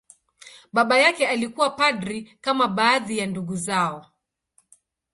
Baba yake alikuwa padri, kama baadhi ya ndugu zao.